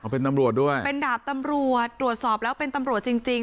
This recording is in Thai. เป็นตำรวจด้วยเป็นดาบตำรวจตรวจสอบแล้วเป็นตำรวจจริงจริง